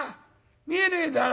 見えねえだろ？